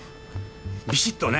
ビシッとね！